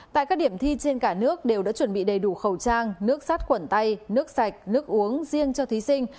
tại các điểm thi trên cả nước đều đã chuẩn bị đầy đủ khẩu trang nước sát quẩn tay nước sạch nước uống riêng cho thí sinh